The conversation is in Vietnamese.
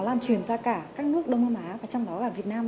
lan truyền ra cả các nước đông nam á và trong đó là việt nam